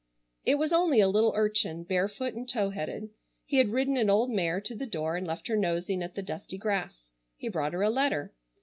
It was only a little urchin, barefoot, and tow headed. He had ridden an old mare to the door, and left her nosing at the dusty grass. He brought her a letter.